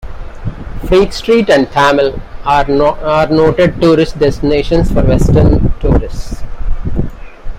Freak Street and Thamel are noted tourist destinations for Western tourists.